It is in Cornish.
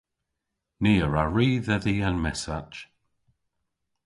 Ni a wra ri dhedhi an messach.